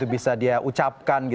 bisa dia ucapkan